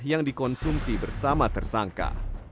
yang dikonsumsi bersama tersangka